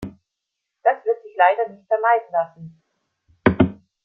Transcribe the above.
Das wird sich leider nicht vermeiden lassen.